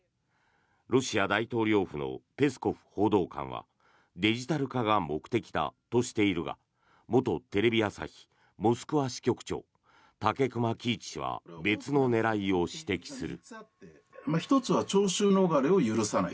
ロシア大統領府のペスコフ報道官はデジタル化が目的だとしているが元テレビ朝日モスクワ支局長武隈喜一氏は別の狙いを指摘する。